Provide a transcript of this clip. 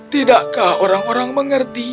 tidaklah orang orang mengerti